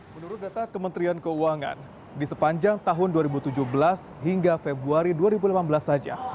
menurut data kementerian keuangan di sepanjang tahun dua ribu tujuh belas hingga februari dua ribu delapan belas saja